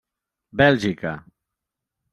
Bèlgica.